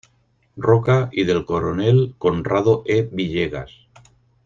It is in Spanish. Roca y del coronel Conrado E. Villegas.